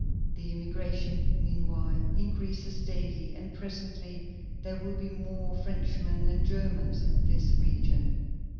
The emigration, meanwhile, increases daily, and presently there will be more Frenchmen than Germans in this region."